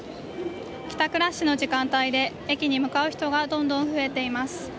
帰宅ラッシュの時間帯で駅に向かう人がどんどん増えています。